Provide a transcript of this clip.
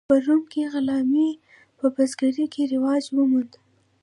په روم کې غلامي په بزګرۍ کې رواج وموند.